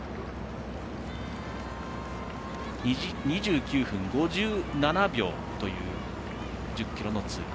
２９分５７秒という１０ｋｍの通過。